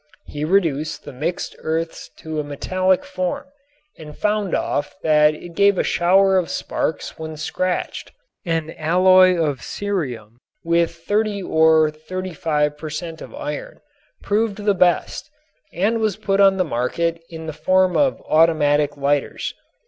He reduced the mixed earths to a metallic form and found that it gave off a shower of sparks when scratched. An alloy of cerium with 30 or 35 per cent. of iron proved the best and was put on the market in the form of automatic lighters.